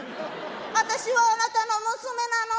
あたしはあなたの娘なの。